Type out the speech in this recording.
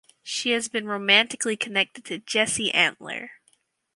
She has been romantically connected to Jesse Antler.